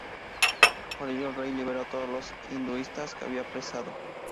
Por ello el rey liberó a todos los hinduistas que había apresado.